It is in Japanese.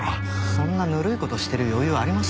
そんなぬるい事してる余裕あります？